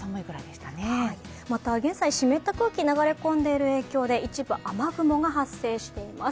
また現在、湿った空気が流れ込んでいる影響で一部雨雲が発生しています。